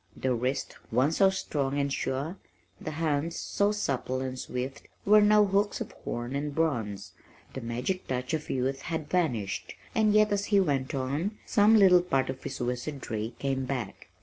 The wrist, once so strong and sure, the hands so supple and swift were now hooks of horn and bronze. The magic touch of youth had vanished, and yet as he went on, some little part of his wizardry came back.